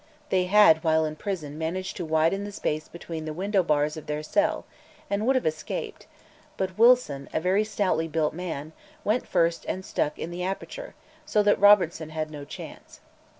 They had, while in prison, managed to widen the space between the window bars of their cell, and would have escaped; but Wilson, a very stoutly built man, went first and stuck in the aperture, so that Robertson had no chance.